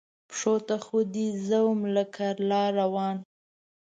پښو ته خو دې زه وم لکه لار روان